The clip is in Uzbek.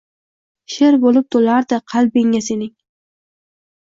She’r bo’lib to’lardi qalbingga sening